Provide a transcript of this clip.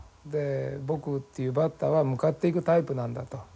で僕っていうバッターは向かっていくタイプなんだと。